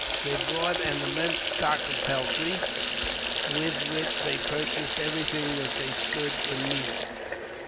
They brought an immense stock of peltry, with which they purchased everything that they stood in need of.